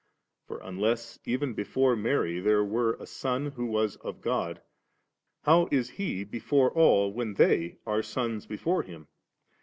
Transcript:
For unless even before Mary there were a Son who was of God, how is He before all, when they are sons before Him?